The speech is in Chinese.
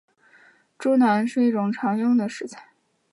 猪腩是一种常用的食材。